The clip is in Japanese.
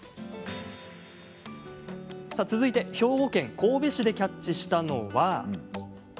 続いて兵庫県・神戸市でキャッチしたのは。